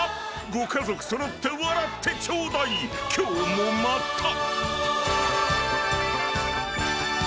［ご家族揃って笑ってちょうだい今日もまた］